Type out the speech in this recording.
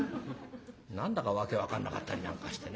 何だか訳分かんなかったりなんかしてね。